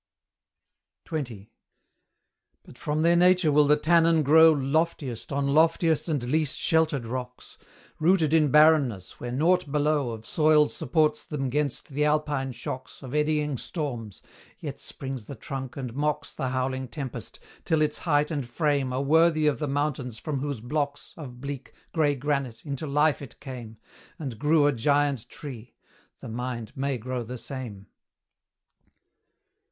XX. But from their nature will the tannen grow Loftiest on loftiest and least sheltered rocks, Rooted in barrenness, where nought below Of soil supports them 'gainst the Alpine shocks Of eddying storms; yet springs the trunk, and mocks The howling tempest, till its height and frame Are worthy of the mountains from whose blocks Of bleak, grey granite, into life it came, And grew a giant tree; the mind may grow the same.